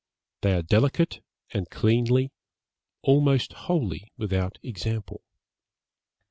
They are delicate and cleanly, almost wholly without example.